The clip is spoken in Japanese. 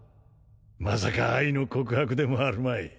まさか愛の告白でもあるまい